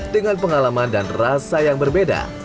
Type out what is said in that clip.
dengan pengalaman dan rasa yang berbeda